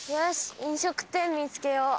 飲食店見つけよう。